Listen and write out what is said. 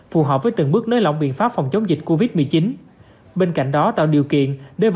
phù hợp với từng bước nới lỏng biện pháp phòng chống dịch covid một mươi chín bên cạnh đó tạo điều kiện để